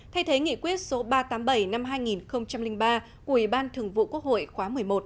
thay thế nghị quyết số ba trăm tám mươi bảy năm hai nghìn ba của ủy ban thường vụ quốc hội khóa một mươi một